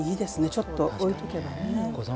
ちょっと置いておけばね。